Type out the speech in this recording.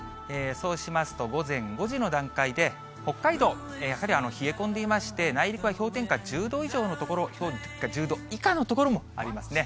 そうしますと、午前５時の段階で、北海道、やはり冷え込んでいまして、内陸は氷点下１０度以下の所もありますね。